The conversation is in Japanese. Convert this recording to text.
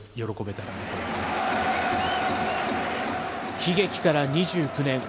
悲劇から２９年。